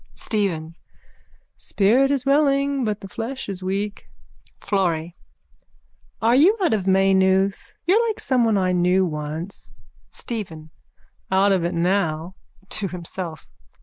STEPHEN: Spirit is willing but the flesh is weak. FLORRY: Are you out of Maynooth? You're like someone I knew once. STEPHEN: Out of it now. _(To himself.)